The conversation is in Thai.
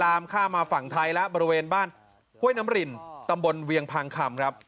ข้ามมาฝั่งไทยแล้วบริเวณบ้านห้วยน้ำรินตำบลเวียงพังคำครับ